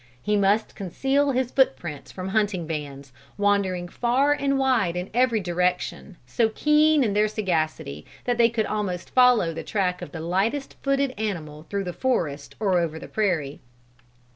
He must conceal his footprints from hunting bands, wandering far and wide in every direction, so keen in their sagacity that they could almost follow the track of the lightest footed animal through the forest or over the prairie.